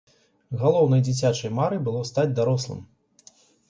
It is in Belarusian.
Галоўнай дзіцячай марай было стаць дарослым.